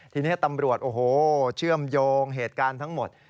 ทีนี้ตำรวจโอ้โหเชื่อมโยงเหตุการณ์ทั้งหมด